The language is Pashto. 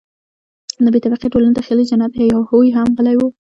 د بې طبقې ټولنې د خیالي جنت هیا هوی هم غلی وو.